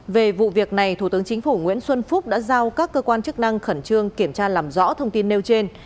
về vụ việc này thủ tướng chính phủ nguyễn xuân phúc đã giao các cơ quan chức năng khẩn trương kiểm tra làm rõ thông tin nêu trên